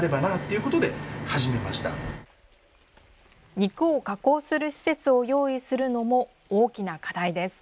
肉を加工する施設を用意するのも大きな課題です。